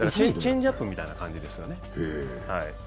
チェンジアップみたいな感じですよね。